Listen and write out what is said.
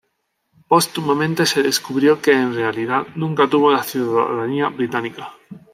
Póstumamente se descubrió que en realidad nunca tuvo la ciudadanía británica.